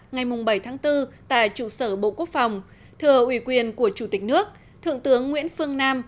ngày bảy tháng bốn tại trụ sở bộ quốc phòng thừa ủy quyền của chủ tịch nước thượng tướng nguyễn phương nam